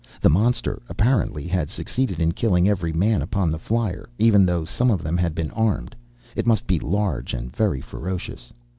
The monster, apparently, had succeeded in killing every man upon the flier, even though some of them had been armed. It must be large and very ferocious.